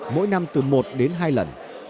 mỗi năm từ một đến hai lần